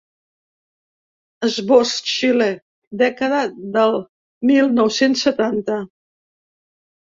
Esbós: Xile, dècada del mil nou-cents setanta.